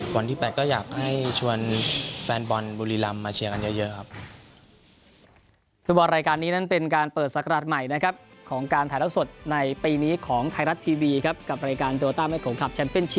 วันที่๘ก็อยากให้ชวนแฟนบอลบุรีรำมาเชียร์กันเยอะครับ